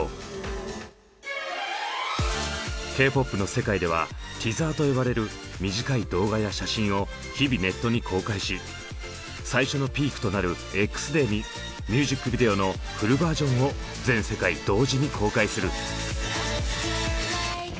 Ｋ−ＰＯＰの世界では「ティザー」と呼ばれる短い動画や写真を日々ネットに公開し最初のピークとなるＸデーにミュージックビデオのフルバージョンを全世界同時に公開する。